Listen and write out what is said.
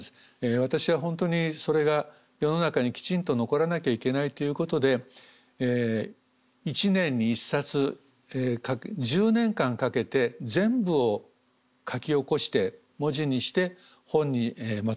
私は本当にそれが世の中にきちんと残らなきゃいけないということで１年に１冊１０年間かけて全部を書き起こして文字にして本にまとめました。